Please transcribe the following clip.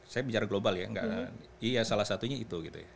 saya bicara global ya salah satunya itu